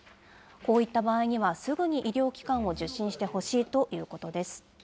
こういった場合にはすぐに医療機関を受診してほしいということです。